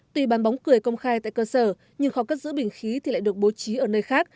tuy bán bóng cười công khai tại cơ sở nhưng khó cất giữ bình khí thì lại được bố trí ở nơi khác